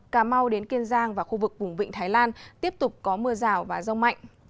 cà mau đến kiên giang và khu vực vùng vịnh thái lan tiếp tục có mưa rào và rông mạnh